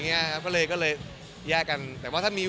มีอีกประมาณ๑๐ปี